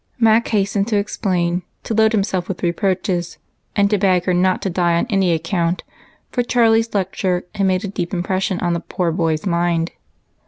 Mac hastened to explain, to load himself with reproaches, and to beg her not to die on any ac count, for Charlie's lecture had made a deep im pression on the poor boy's mind.